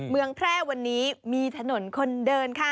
เมืองแพร่วันนี้มีถนนคนเดินค่ะ